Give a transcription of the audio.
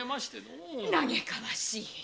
嘆かわしい‼